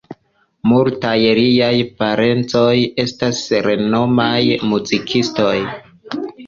Multaj liaj parencoj estas renomaj muzikistoj.